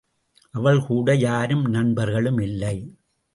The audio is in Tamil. அவன் கூட யாரும் நண்பர்களும் இல்லை.